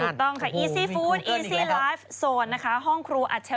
พี่ชอบแซงไหลทางอะเนาะ